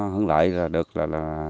hướng lại là được là